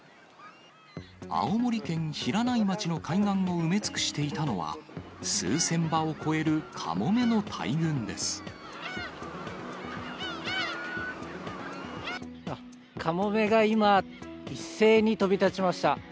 青森県平内町の海岸を埋め尽くしていたのは、カモメが今、一斉に飛び立ちました。